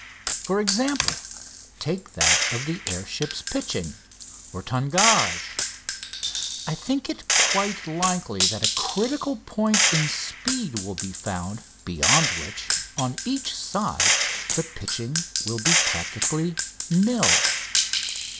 For example, take that of the air ship's pitching (tangage). I think it quite likely that a critical point in speed will be found, beyond which, on each side, the pitching will be practically nil.